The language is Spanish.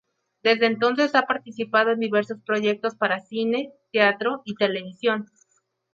Desde entonces ha participado en diversos proyectos para cine, teatro y televisión.